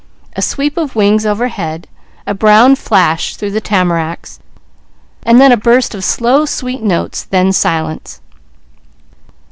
A sweep of wings overhead, a brown flash through the tamaracks, and then a burst of slow, sweet notes, then silence.